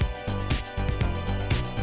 kita bikinnya banyak juga